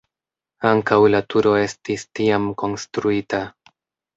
Ankaŭ la turo estis tiam konstruita.